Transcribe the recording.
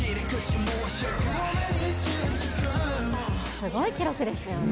すごい記録ですよね。